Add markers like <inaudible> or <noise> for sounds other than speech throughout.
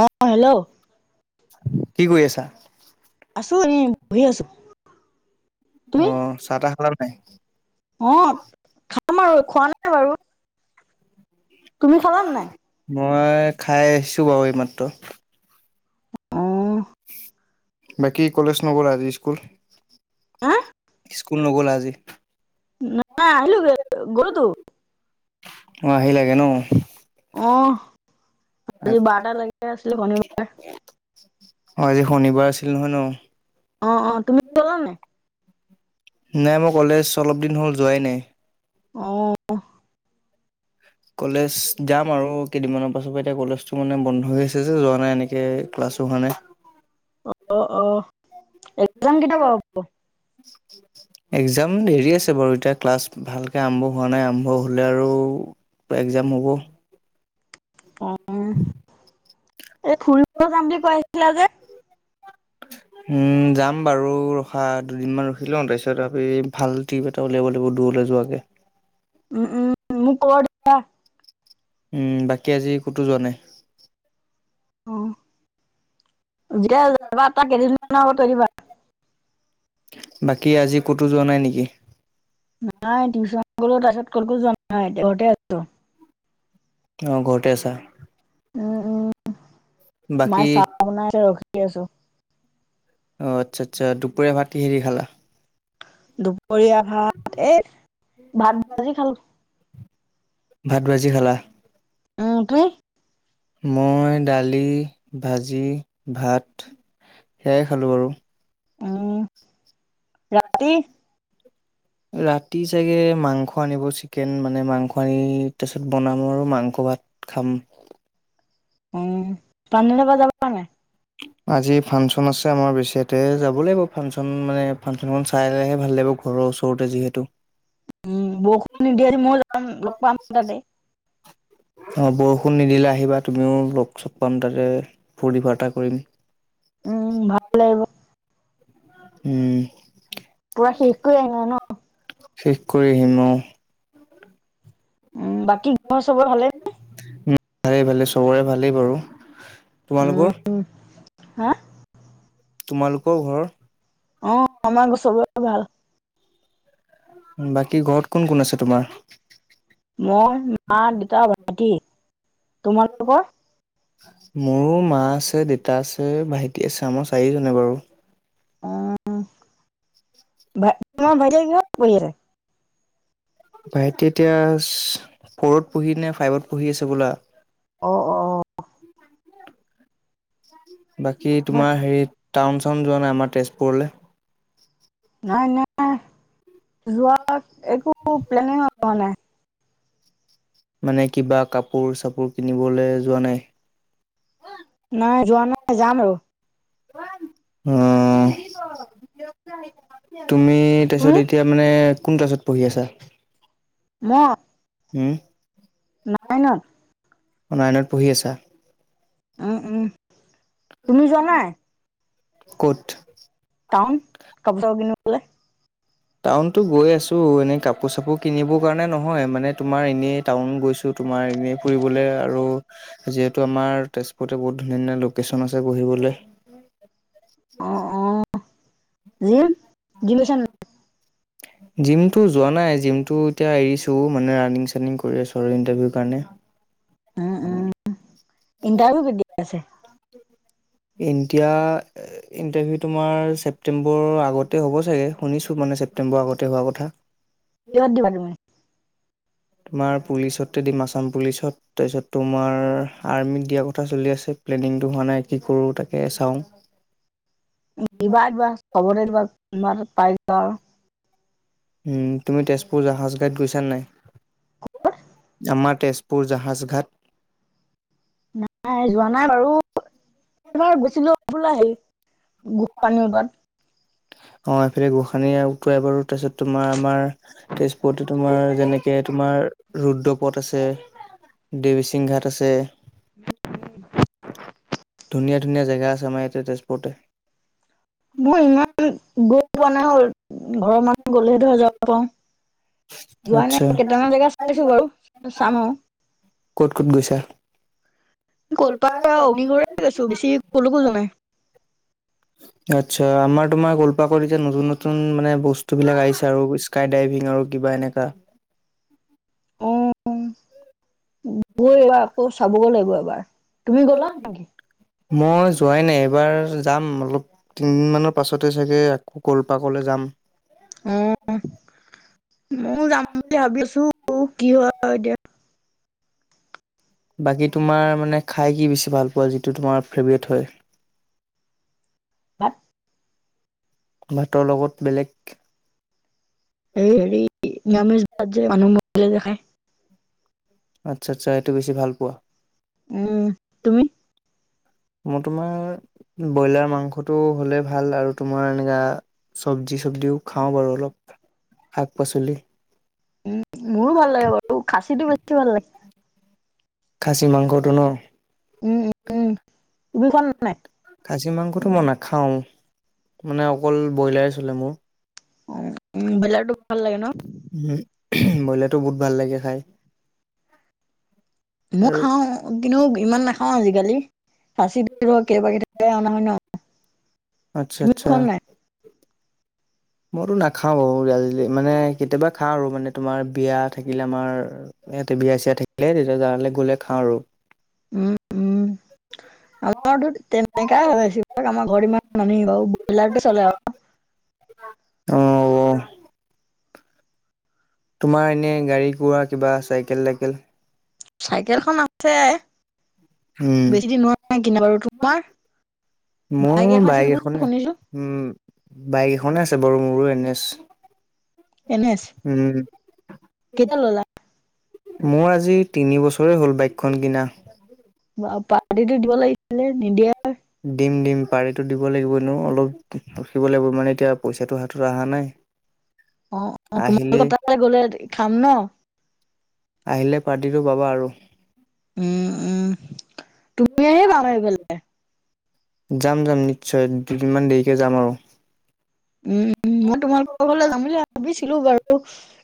অ hello কি কৰি আছা? <inaudible> বহি আছো। অ তুমি চাহ তাহ খালা উ <inaudible> অ খাম আৰু খোৱা নাই বাৰু তুমি খালা নে নাই? মই খাই আহিছোঁ বাৰু এইমাত্ৰ। অ বাকী কলেজ নগ'লা আজি স্কুল, হা স্কুল নগলা আজি? তো অ', আহিলাগে ন? অহ, আজি অ', বাৰটা লৈকে আছিলে, শনিবাৰ। অ', আজি শনিবাৰ আছিল নহয় ন? অ', অ', তুমি গ'লা নে নাই? নাই, মই কলেজ অলপ দিন হ'ল যোৱাই নাই। অহ। কলেজ যাম আৰু কেইদিনমানৰ পাছৰ পৰা, এতিয়া কলেজটো মানে বন্ধ হৈ আছে যে যোৱা নাই এনেকে ক্লাছো হোৱা নাই। অ', অ'। এক্সাম কেতিয়া বাৰু এক্সাম দেৰি আছে বাৰু এতিয়া ক্লাছ ভালকে আৰম্ভ হোৱা নাই, আৰম্ভ হ'লে আৰু এক্সাম হ'ব। অ'। উম, এই ফুৰিব যাম বুলি কৈ আছিলা যে উম যাম বাৰু, ৰখা দুদিনমান ৰখি লোৱা, তাৰপিছত আমি ভাল ট্ৰিপ এটা উলিয়াব লাগিব দূৰলৈ যোৱাকে। উম, উম মোক কৈ দিবা। উম, বাকী আজি ক'তো যোৱা নাই? অহ। যেতিয়া যাবা, তাৰ কেইদিনমান আগত কৈ দিবা। বাকী আজি ক'তো যোৱা নাই নেকি? নাই টিউচন গলোঁ তাৰছত কলকো যোৱানাই ঘৰতে আছোঁ। অ' ঘৰতে আছা? উম উম মায়ে বাকী চা <unintelligible> কে আছোঁ। অ' আচ্ছা আচ্ছা, দুপৰীয়া ভাত কিহেদি খালা? দুপৰীয়া ভাত, এই ভাত ভাঁজি খালোঁ। ভাত ভাজি খালা? উম তুমি মই দালি, ভাঁজি, ভাত সেয়াই খালোঁ আৰু। <inaudible> উম ৰাতি <inaudible> ৰাতি চাগে মাংস আনিব চিকেন, মানে মাংস আনি, তাৰ পিছত বনাব আৰু মাংস ভাত খাম। উ পানী ল'ব যাবা নে নাই? আজি ফাংচন আছে আমাৰ <unintelligible> যাব লাগিব ফাংচন মানে ফাংচনখন চাই আহিলে হে ভাল লগিব, ঘৰৰ ওচৰতে যিহেতু। উম <inaudible> ষুণ নিদিলে আহিবা তুমিও লগ-চগ পাম তাতে, ফূৰ্তি-ফাৰ্তা কৰিম। উম ভাল লাগিব উম। পোৰা শেষ কৰি আহিলা ন? শেষ কৰি আহিম অ। উম, বাকী ঘৰৰ চবৰে ভালেই নে? উম, ভালেই ভালেই চবৰে ভালেই বাৰু। তোমালোকৰ? উম হা? তোমালোকৰ ঘৰ? অ' আমাৰ ঘৰ চবৰে ভাল। উম, বাকী ঘৰত কোন কোন আছে তোমাৰ? মই, মা, দেতা, ভাইটি। তোমালোকৰ? মোৰো মা আছে, দেতা আছে, ভাইটি আছে, আমাৰো চাৰি জনেই বাৰু। <unintelligible> তোমাৰ ভাইটিয়ে কিহত পঢ়ি আছে? ভাইটি এতিয়া, ফ'ৰত পঢ়ি নে ফাইভত পঢ়ি আছে হ'বলা। অ অ অ। বাকী তোমাৰ হেৰীত টাউন চাউন যোৱা নাই আমাৰ তেজপুৰলে? নাই, নাই। <inaudible> মানে কিবা কাপোৰ চাপোৰ কিনিবলে যোৱা নাই? নাই, যোৱা নাই, যাম আৰু। অ। <unintelligible> তুমি তুমি তাৰপিছত এতিয়া মানে কোন ক্লাছত পঢ়ি আছা? মই? উম। নাইনত। নাইনত পঢ়ি আছা? <inaudible> তুমি যোৱা নাই? ক'ত? টাউন, কাপোৰ চাপোৰ কিনিবলে? টাউনতো গৈ আছোঁ, এনেই কাপোৰ চাপোৰ কিনিবৰ কাৰণে নহয়, মানে তোমাৰ এনেই টাউন গৈছোঁ তোমাৰ এনেই ফুৰিবলৈ আৰু যিহেতু আমাৰ তেজপুৰতে বহুত ধুনীয়া ধুনীয়া লোকেশ্যন আছে বহিবলৈ। অ অ <unintelligible> জিম, <unintelligible> জিমটো যোৱা নাই, জিমটো এতিয়া এৰিছোঁ, মানে ৰানিং চানিং কৰি আছোঁ আৰু ইণ্টাৰভিউৰ কাৰণে। উম, উম। ইণ্টাৰভিউ কেতিয়া আছে? <unintelligible> ইণ্টাৰভিউ তোমাৰ ছেপ্টেম্বৰৰ আগতে হ'ব চাগে, শুনিছোঁ মানে ছেপ্টেম্বৰৰ আগতে হোৱা কথা। কিহত দিবা তুমি? তোমাৰ পুলিচতো দিম, আছাম পুলিচত। তাৰপিছত তোমাৰ আৰ্মিত দিয়াৰ কথা চলি আছে, প্লেনিংটো হোৱা নাই। কি কৰোঁ তাকে চাওঁ। দিবা দিবা, সবতে দিবা। <inaudible> উম, তুমি তেজপুৰ জাহাজ ঘাট গৈছা নাই? <inaudible> মাৰ তেজপুৰ জাহাজঘাট? নাই, যোৱা নাই বাৰু এবাৰ গৈছিলো <unintelligible> হেৰি <inaudible> অ', এইফালে গোঁসানি উটুৱাই বাৰু, তাছত তোমাৰ আমাৰ তেজ <unintelligible> তোমাৰ যেনেকে তোমাৰ ৰুদ্ৰক পথ আছে, দেৱীচিং‌ ঘাট আছে ধুনীয়া ধুনীয়া জেগা আছে আমাৰ ইয়াতে তেজপুৰতে। মই ইমান গৈ পোৱা নাই, ঘৰৰ মানুহ গ'লেহে ধৰ যাব পাওঁ। যোৱা আচ্ছা। নাই, কেটামান জেগা চাইছো বাৰু, চাম আও। ক'ত ক'ত গৈছা? <unintelligible> অগ্নিগড় গৈছো, বেছি কলকো‌ যোৱা নাই। আচ্ছা, আমাৰ তোমাৰ কলপাৰ্কত এতিয়া নতুন নতুন মানে বস্তুবিলাক আহিছে আৰু স্কাই ড্ৰাইভিং আৰু কিবা এনেকা। <inaudible> অ <unintelligible> আকৌ চাবগৈ লাগিব এবাৰ, তুমি গ'লা নেকি? মই যোৱাই নাই, এইবাৰ যাম অলপ, তিনদিনমানৰ পাছতে চাগে আকৌ ক'লপাৰ্কলৈ যাম। অ', ময়ো যাম বুলি ভাৱি আছোঁ, কি হয় এতিয়া। বাকী তোমাৰ মানে খাই কি বেছি ভাল পোৱা, যিটো তোমাৰ ফেভাৰেট হয়? ভাত ভাতৰ লগত বেলেগ এই হেৰি নিৰামিষ ভাত যে, মানুহ মৰিলে যে খায় আচ্ছা, আচ্ছা। এইটো বেছি ভাল পোৱা? উম। তুমি মই তোমাৰ ব্ৰইলাৰ মাংসটো হ'লে ভাল। আৰু তোমাৰ এনেকা চবজি-থবজিও খাওঁ বাৰু। অলপ শাক-পাচলি উম, মোৰো ভাল লাগে বাৰু। খাছিটো বেছি ভাল লাগে। খাছি মাংসটো ন? উম, উম, তুমি খোৱা নে নাই? খাছি মাংস এই টো মই নাখাওঁ, মানে অকল বইলাৰ এ চলে মোৰ। অ, বইলাৰ টো ভাল লাগে ন? উম বইলাৰ টো বহুত ভাল লাগে খায়। মই খাওঁ, কিন্তু ইমান নাখাওঁ আজি কালি, খাচী টো কেতিয়াবা কেতিয়াবা হে অনা হয় ন। আচ্ছা, তুমি আচ্ছা। খোৱা নে নাই? মই টো নাখাওঁ বাৰু মানে কেতিয়াবা খাওঁ আৰু মানে তোমাৰ বিয়া থাকিলে আমাৰ ইয়াতে বিয়া-চিয়া থাকিলে খাওঁ আৰু। <unintelligible> আমাৰটো তেনেকুৱা হয বেছিভাগ, আমাৰ ঘৰত ইমান নানে বাৰু বইলাৰটো চলে আৰু। অ'। তোমাৰ এনে গাড়ী-গোৰা কিবা চাইকেল -তাইকেল‌? চাইকেল খন আছে উম, বেছি দিন হোৱা নাই কিনা বাৰু। তোমাৰ? মোৰ বাইক‌ এখন আছিল বাইক বুলি এখনে শুনিছোঁ। উম, বাইক এখনে আছে মোৰো এন এছ। এন এছ, উম, কেতিয়া‌ ল'লা? মোৰ আজি তিনি বছৰয়ে হ'ল বাইক খন কিনা। বাহ পাৰ্টীটো দিব লাগিছিল, নিদিয়াই‌। দিম দিম পাৰ্টিটো দিব লাগিব এনেও অলপ ৰখিব লাগিব মানে এতিয়া পইচাটো হাতত অহা নাই। অ' অ' আহিলে তোমালোকৰ তাল্ গ'লে খাম ন। আহিলে পাৰ্টিটো পাবা আৰু। উম উম। তুমি আহিবা আমাৰ এইফালে <unintelligible> যাম যাম নিশ্চয়, দুদিনমান দেৰিকে যাম আৰু। উম। উম মই তোমালোকৰ ঘৰলে যাম বুলি ভাবিছিলোঁ বাৰু,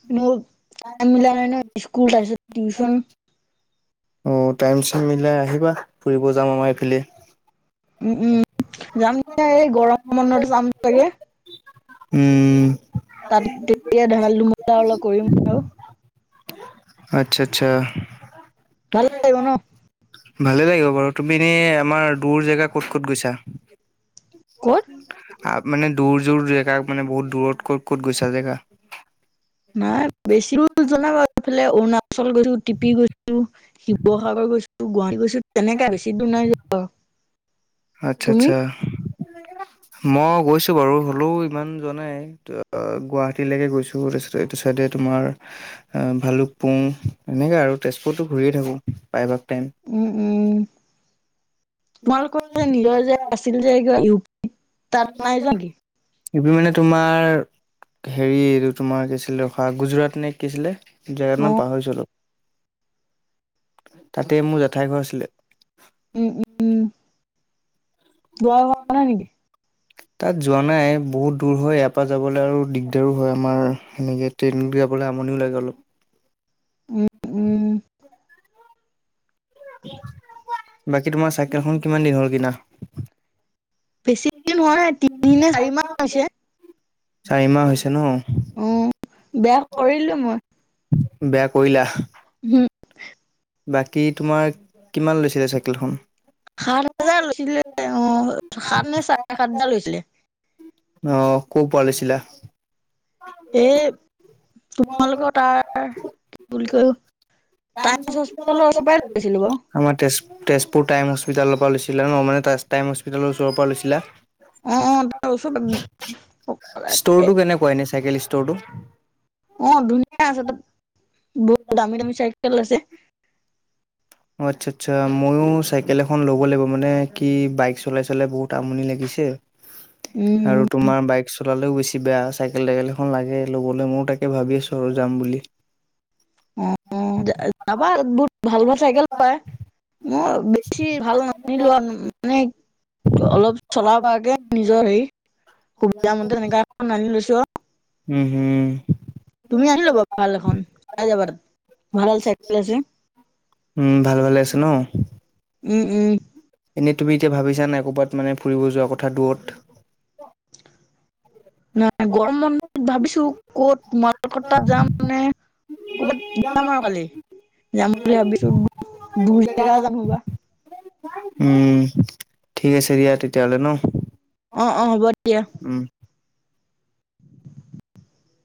কিন্তু টাইম মিলা নাই নহয় স্কুল তাৰ পিছত টিউচন। অ' টাইম-চাইম মিলাই আহিবা, ফুৰিব যাম আমাৰ এইফালে। উম উম যাম দিয়া এই গৰম বন্ধ মানত যাম চাগে, উম, তাত তেতিয়া ধেমালি ধমলা অলপ কৰিম আৰু। আচ্ছা আচ্ছা। ভাল লাগিব ন? ভালে লাগিব বাৰু তুমি এনে আমাৰ দুৰ জেগা ক'ত ক'ত গৈছা? ক'ত আ মানে দূৰ জোৰ জেগা মানে বহুত দূৰত ক'ত ক'ত গৈছা জেগা? নাই বেছি দূৰ যোৱা নাই বাৰু এইফালে অৰুনাচল চল গৈছোঁ টিপি গৈছোঁ। শিৱসাগৰ গৈছোঁ, গুৱাহাটী গৈছোঁ। তেনেকে আৰু বেছি দূৰ নাই যোৱা আৰু। আচ্ছা, আচ্ছা। মই গৈছোঁ বাৰু। হ'লেও ইমান যোৱা নাই। গুৱাহাটীলৈকে গৈছোঁ। তাৰপিছতে, এইটো চাইডে তোমাৰ, ভালুকপুং এনেকে, আৰু তেজপুৰতো ঘূৰিয়েই থাকোঁ প্ৰায়ভাগ টাইম উম, উম। তোমালোকৰ যে নিজৰ যে আছিল যে ইউ পি। তাত নাই যোৱা নেকি ইউ পি মানে তোমাৰ হেৰি এইটো তোমাৰ কি আছিল ৰখা গুজৰাট নে কি আছিলে। জেগাত অ নাম পাহৰিছিললো <inaudible> তাতে মোৰ জেঠাই ঘৰ আছিলে উম উম <inaudible> দুৱাৰ <unintelligible> নাই নেকি? তাত যোৱা নাই বহুত দুৰ হয় ইয়াৰ পৰা যাবলৈ আৰু দিগদাৰো হয় আমাৰ সেনেকে ট্ৰেইনত যাবলে আমনি লাগে অলপ উম, উম। বাকি তোমাৰ চাইকেলখন কিমানদিন হ'ল কিনা বেছিদিন হোৱা নাই তিনিমাহ বা চাৰিমাহ হৈছে চাৰিমাহ হৈছে ন? অ বেয়া কৰিলোঁ মই বেয়া কৰিলা? <inaudible> বাকি তোমাৰ কিমান লৈছিলে চাইকেলখন সাত হাজাৰ লৈছিলে উ সাত নে সাতহাজাৰ হৈছিলে অ', ক'ৰ পৰা লৈছিলা? এই তোমালোকৰ তাৰ কি বুলি কয় টাইমছ <inaudible> হস্পিতালৰ পৰাই লৈছিলো বাৰু আমাৰ তেজ তেজপুৰ টাইম হস্পিটালৰ পৰা লৈছিলা ন মানে টাইম হস্পিটালৰ ওপৰৰ পৰা লৈছিলা অ তাৰ ওচৰৰ পৰাই <inaudible> ষ্ট'ৰটো কেনেকুৱা এনে চাইকেল ষ্ট'ৰটো উ <inaudible> অ ধুনীয়া আছে তাত বহুত দামী দামী চাইকেল আছে অ, আচ্ছা আচ্ছা, মই ও চাইকেল এখন ল'ব লাগিব, মানে কি বাইক চলাই চলাই বহুত আমনি লাগিছে উম আৰু তোমাৰ বাইক চলালেও বেছি কিবা চাইকেল টাইকেল এখন লাগে ল'বলৈ ময়ো তাকে ভাবি আছো আৰু যাম বুলি <inaudible> ভাল ভাল চাইকেল পায়, মই বেছি ভাল নানিলো আৰু মানে অলপ চলাব পৰাকে নিজৰ হেৰি, সুবিধামতে এনেকুৱা এখন আনি লৈছোঁ আ উম হুম। তুমি আনি লবা ভাল এখন <inaudible> উম ভাল ভালে আছে ন? উম উম! এনেই তুমি এতিয়া ভাবিছা নাই ক'ৰবাত মানে ফুৰিব যোৱাৰ কথা দূৰত? নাই গৰম বন্ধত ভাবিছো ক'ত <unintelligible> যাম নে, ক'বাত যাম আৰু কালি। যাম বুলি ভাবিছো দূৰ জেগা যাম <unintelligible> উম ঠিক আছে দিয়া তেতিয়াহলে ন? অ অ হ'ব দিয়া। উম। <inaudible>